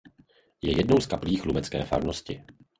Je jednou z kaplí chlumecké farnosti.